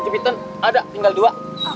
jepitan ada tinggal dua